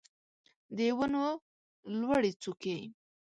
د ونو لوړې څوکې